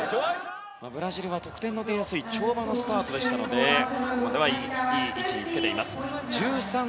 ブラジルは得点の出やすい跳馬のスタートでしたのでいい位置につけています。